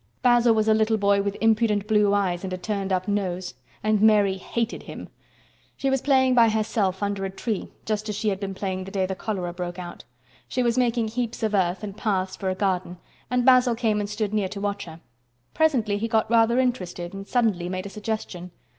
Basil was a little boy with impudent blue eyes and a turned up nose, and Mary hated him. She was playing by herself under a tree, just as she had been playing the day the cholera broke out. She was making heaps of earth and paths for a garden and Basil came and stood near to watch her. Presently he got rather interested and suddenly made a suggestion.